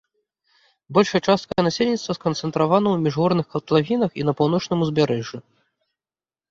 Большая частка насельніцтва сканцэнтравана ў міжгорных катлавінах і на паўночным узбярэжжы.